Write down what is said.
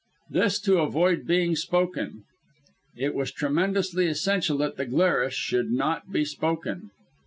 This to avoid being spoken. It was tremendously essential that the Glarus should not be spoken.